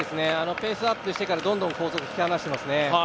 ペースアップしてからどんどん後続引き離していますね。